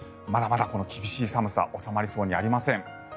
まだまだこの厳しい寒さ収まりそうにありません。